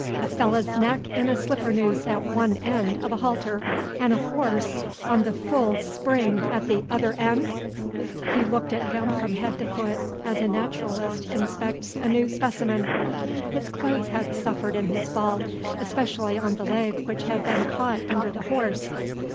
A fellah's neck in a slippernoose at one eend of a halter, 'n' a hors on th' full spring at t' other eend!" He looked at him from' head to foot as a naturalist inspects a new specimen. His clothes had suffered in his fall, especially on the leg which had been caught under the horse.